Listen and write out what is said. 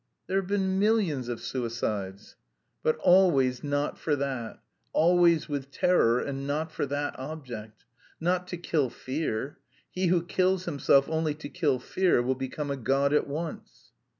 "There have been millions of suicides." "But always not for that; always with terror and not for that object. Not to kill fear. He who kills himself only to kill fear will become a god at once."